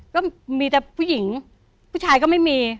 ก็มีแต่ผู้หญิงผู้ชายก็ไม่มี